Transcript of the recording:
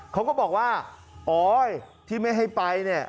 เขาก็บอกว่าโอ๊ยที่ไม่ให้ไปเนี่ย